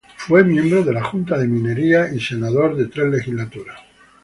Fue miembro de la Junta de Minería y fue senador de tres Legislaturas.